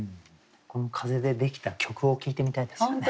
この風でできた曲を聴いてみたいですよね。